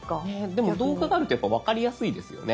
でも動画があるとやっぱ分かりやすいですよね。